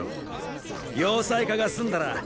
要塞化がすんだら